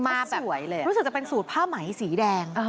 แบบรู้สึกจะเป็นสูตรผ้าไหมสีแดง